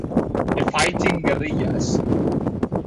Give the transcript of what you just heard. The Fighting Guerrillas".